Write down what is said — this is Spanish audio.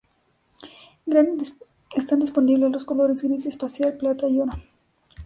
Están disponibles los colores gris espacial, plata y oro.